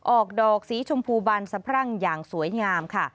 ออกดอกสีชมพูบานสะพรั่งอย่างสวยงามค่ะ